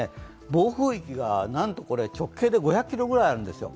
暴風域がなんとこれ、直径で５００ｋｍぐらいあるんですよ。